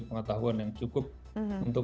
pengetahuan yang cukup untuk